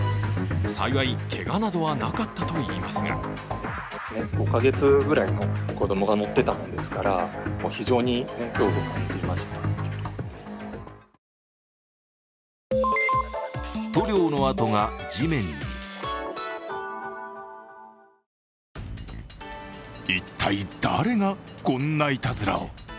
幸い、けがなどはなかったといいますが一体、誰がこんないたずらを。